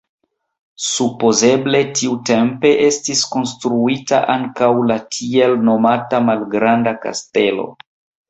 Supozeble tiutempe estis konstruita ankaŭ la tiel nomata malgranda kastelo.